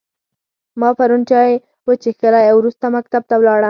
ما پرون چای وچیښلی او وروسته مکتب ته ولاړم